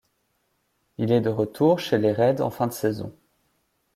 Il est de retour chez les Reds en fin de saison.